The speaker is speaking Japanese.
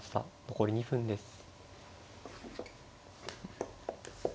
残り２分です。